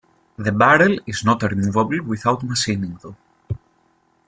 The barrel is not removable without machining, though.